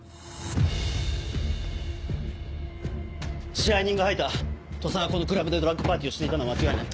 支配人が吐いた土佐がこのクラブでドラッグパーティーをしていたのは間違いない。